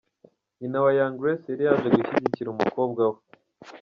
Nyina wa Young Grace yari yaje gushyikira umukobwa we.